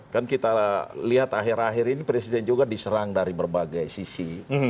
kan kita lihat akhir akhir ini presiden juga diserang dari berbagai sisi